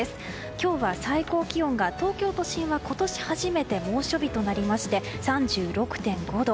今日は最高気温が東京都心は今年初めて猛暑日となりまして３６．５度。